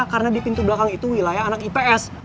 karena di pintu belakang itu wilayah anak ips